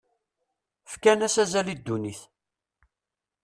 Fkan-as azal i ddunit.